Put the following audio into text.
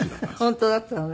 本当になったのね。